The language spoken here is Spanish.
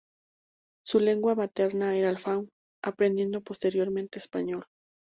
Su lengua materna era el fang, aprendiendo posteriormente español.